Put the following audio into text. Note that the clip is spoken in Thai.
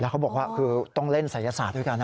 เขาบอกว่าคือต้องเล่นศัยศาสตร์ด้วยกัน